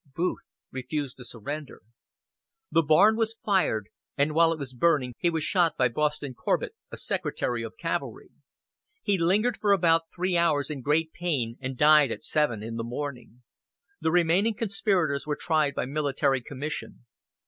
Booth refused to surrender. The barn was fired, and while it was burning he was shot by Boston Corbett, a sergeant of cavalry. He lingered for about three hours in great pain, and died at seven in the morning. The remaining conspirators were tried by military commission.